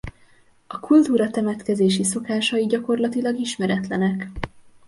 A kultúra temetkezési szokásai gyakorlatilag ismeretlenek.